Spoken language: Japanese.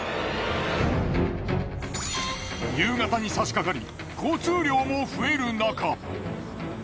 夕方にさしかかり交通量も増えるなか。